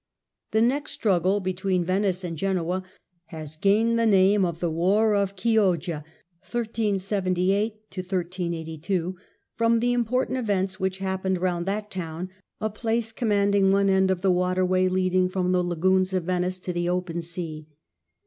The next struggle between Venice and Genoa has War of gained the name of the War of Chioggia from the y^j^^^2^' important events which happened round that town, a place commanding one end of the water way leading from the lagoons of Venice to the open sea.